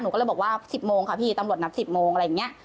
ก็เลยบอกว่า๑๐โมงค่ะพี่ตำรวจนับ๑๐โมงอะไรอย่างนี้